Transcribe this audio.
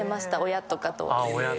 親とかと。